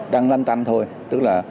đang lăn tăn thôi tức là